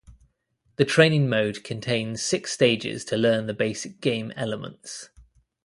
The training mode contains six stages to learn the basic game elements.